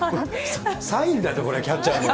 サインだって、これキャッチャーの。